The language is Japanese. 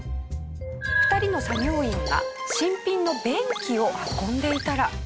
２人の作業員が新品の便器を運んでいたら。